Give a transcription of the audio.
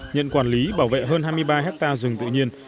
nhận quản lý bảo vệ hơn hai mươi ba hectare rừng tự nhiên